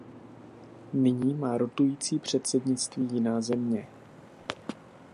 Nyní má rotující předsednictví jiná země.